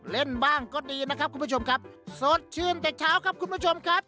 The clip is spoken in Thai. เล่นบ้างก็ดีนะครับคุณผู้ชมครับสดชื่นแต่เช้าครับคุณผู้ชมครับ